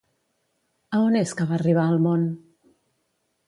A on és que va arribar al món?